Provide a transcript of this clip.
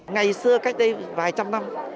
ngày xưa cách đây vài trăm năm